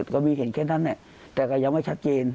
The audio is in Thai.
ก็มีเห็นแค่นั้นแต่ก็ยังไม่ชัดเจน